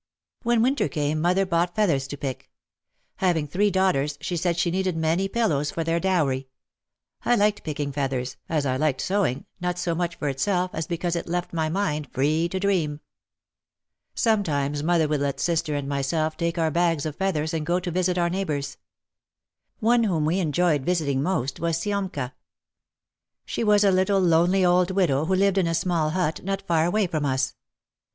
When winter came mother bought feathers to pick. Having three daughters she said she needed many pil lows for their dowry. I liked picking feathers, as I liked sewing, not so much for itself as because it left my mind free to dream. Sometimes mother would let sister and myself take our bags of feathers and go to visit our neighbours. One whom we enjoyed visiting most was Siomka. She was a little, lonely, old widow who lived in a small hut not far away from us.